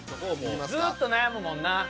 ずっと悩むもんな。